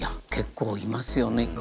結構いますよね。